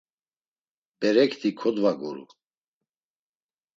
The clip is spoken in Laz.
Berekti kodvaguru.